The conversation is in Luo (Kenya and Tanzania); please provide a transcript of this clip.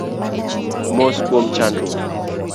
Mos kuom chandruok